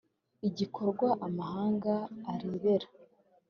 igakorwa amahanga arebera